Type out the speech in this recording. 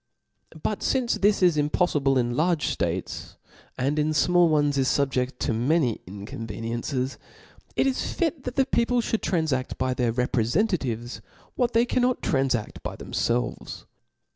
But fince this is Jmpoffiblc in large dates, and in fmall ones is fubjeft to many inconveniencies ; it is fit the people (hould tranfadt by their reprcfentatives, what they cannot tranfaft by themfelves.